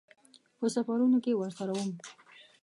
په سفرونو کې ورسره وم.